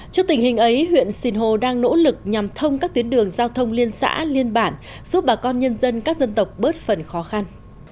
trước tình hình ấy huyện sinh hồ đang nỗ lực nhằm thông các tuyến đường giao thông liên xã liên bản giúp bà con nhân dân các dân tộc bớt phần khó khăn